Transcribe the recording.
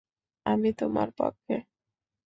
আমি তোমার পক্ষে।